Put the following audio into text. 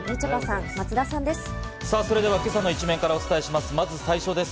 今朝の一面からお伝えします。